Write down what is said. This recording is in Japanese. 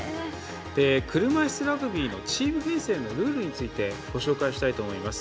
車いすラグビーのチーム編成のルールについてご紹介します。